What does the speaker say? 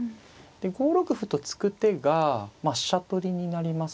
で５六歩と突く手が飛車取りになりますね。